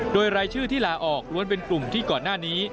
โดยรายชื่อที่ลาออกล้วนเป็นกลุ่มที่ก่อนหน้านี้